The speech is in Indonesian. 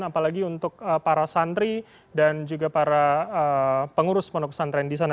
apalagi untuk para santri dan juga para pengurus pondok pesantren di sana